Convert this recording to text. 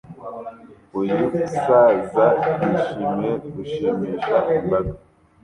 Uyu saza yishimiye gushimisha imbaga